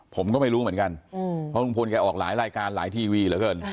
ผมก็ไม่รู้เหมือนกันเพราะลุงพลแกออกหลายรายการหลายทีวีเหลือเกิน